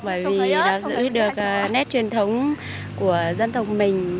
bởi vì giữ được nét truyền thống của dân tộc mình